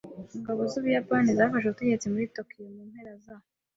Ingabo z’Ubuyapani zafashe ubutegetsi muri Tokiyo mu mpera za .